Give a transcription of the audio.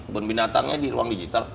binatangnya di ruang digital